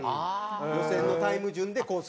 予選のタイム順でコース。